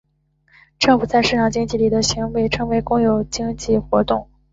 政府在市场经济里的行为称为公有经济活动。